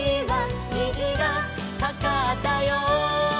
「にじがかかったよ」